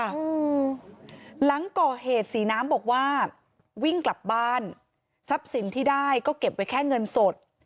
อืมหลังก่อเหตุศรีน้ำบอกว่าวิ่งกลับบ้านทรัพย์สินที่ได้ก็เก็บไว้แค่เงินสด